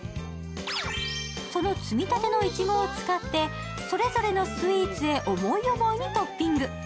その摘みたてのいちごを使ってそれぞれのスイーツへ思い思いにトッピング。